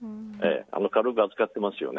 軽く扱っていますよね。